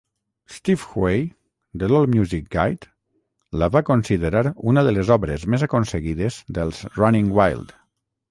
Steve Huey, de l'All Music Guide, la va considerar una de les obres més aconseguides dels Running Wild.